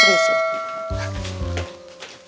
papa udah pulang